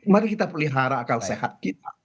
mari kita pelihara akal sehat kita